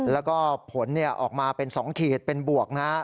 แล้วก็ผลออกมาเป็น๒ขีดเป็นบวกนะ